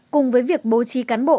cùng với việc bố trí cán bộ